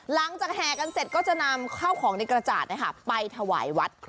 แห่กันเสร็จก็จะนำข้าวของในกระจาดไปถวายวัด